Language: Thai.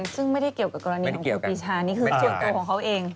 ซึ่งไม่ได้เกี่ยวกับกรณีของครูปีชานี่คือส่วนตัวของเขาเอง